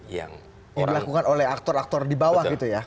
yang dilakukan oleh aktor aktor di bawah gitu ya